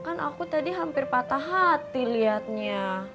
kan aku tadi hampir patah hati lihatnya